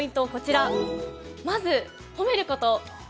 まず褒めること。